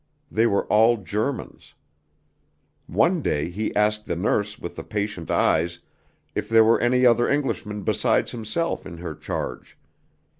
They were all Germans. One day he asked the nurse with the patient eyes, if there were any other Englishmen besides himself in her charge.